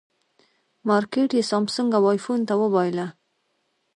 مارکېټ یې سامسونګ او ایفون ته وبایله.